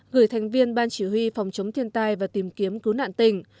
gửi thành viên ban chỉ huy phòng chống thiên tai và tìm kiếm cứu nạn tỉnh